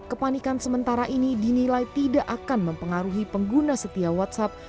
kepanikan sementara ini dinilai tidak akan mempengaruhi pengguna setia whatsapp